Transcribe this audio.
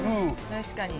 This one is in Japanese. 確かに。